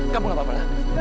kamu gak apa apa